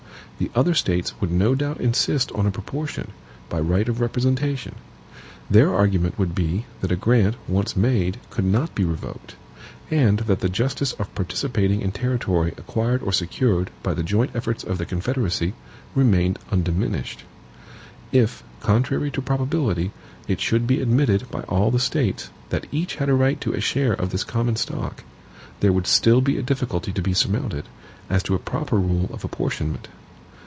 The other States would no doubt insist on a proportion, by right of representation. Their argument would be, that a grant, once made, could not be revoked; and that the justice of participating in territory acquired or secured by the joint efforts of the Confederacy, remained undiminished. If, contrary to probability, it should be admitted by all the States, that each had a right to a share of this common stock, there would still be a difficulty to be surmounted, as to a proper rule of apportionment.